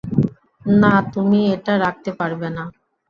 না, তুমি এটা রাখতে পারবে না।